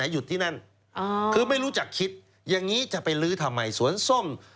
หยุดที่นั่นคือไม่รู้จักคิดอย่างนี้จะไปลื้อทำไมสวนส้ม